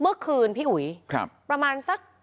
เมื่อวานหลังจากโพดำก็ไม่ได้ออกไปไหน